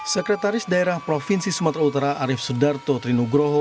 sekretaris daerah provinsi sumatera utara arief sudarto trinugroho